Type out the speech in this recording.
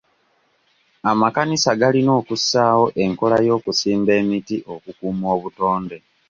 Amakanisa galina okussawo enkola y'okusimba emiti okukuuma obutonde.